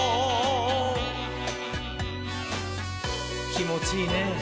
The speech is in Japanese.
きもちいいねぇ。